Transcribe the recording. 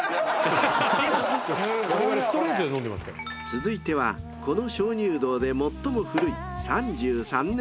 ［続いてはこの鍾乳洞で最も古い３３年物］